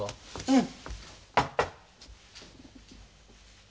うん。